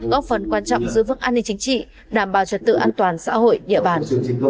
góp phần quan trọng giữ phức an ninh chính trị đảm bảo trật tự an toàn xã hội địa bàn